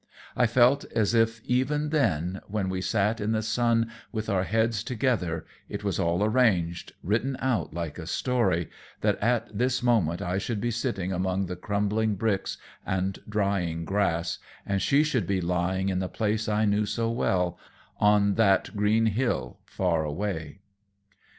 I felt as if even then, when we sat in the sun with our heads together, it was all arranged, written out like a story, that at this moment I should be sitting among the crumbling bricks and drying grass, and she should be lying in the place I knew so well, on that green hill far away.